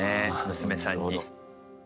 娘さんに。